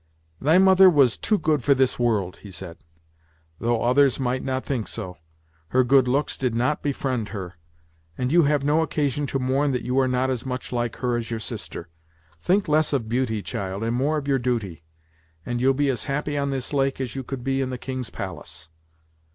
"Thy mother was too good for this world," he said; "though others might not think so. Her good looks did not befriend her; and you have no occasion to mourn that you are not as much like her as your sister. Think less of beauty, child, and more of your duty, and you'll be as happy on this lake as you could be in the king's palace."